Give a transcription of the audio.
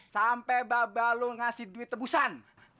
sampe baba lo ngasih duit tebusan